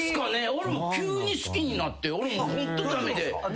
俺も急に好きになって俺もホント駄目で。